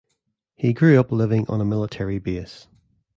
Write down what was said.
He grew up living on a military base.